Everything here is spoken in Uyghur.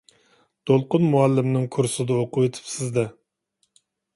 دولقۇن مۇئەللىمنىڭ كۇرسىدا ئوقۇۋېتىپسىز-دە.